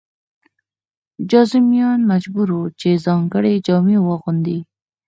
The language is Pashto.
جذامیان مجبور وو چې ځانګړې جامې واغوندي.